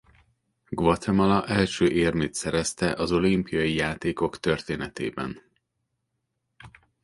Guatemala első érmét szerezte az olimpiai játékok történetében.